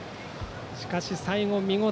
しかし、最後見事。